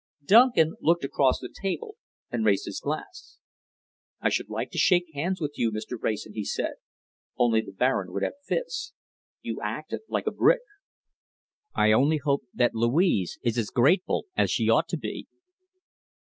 Duncan looked across the table and raised his glass. "I should like to shake hands with you, Mr. Wrayson," he said, "only the Baron would have fits. You acted like a brick. I only hope that Louise is as grateful as she ought to be."